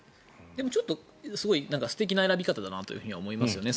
でもちょっとすごい素敵な選び方だなと思いますよね。